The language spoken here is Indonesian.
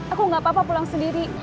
aku gak apa apa pulang sendiri